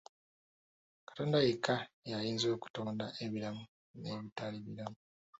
Katonda yekka y'ayinza okutonda ebiramu n'ebitali biramu